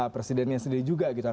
presidennya sendiri juga gitu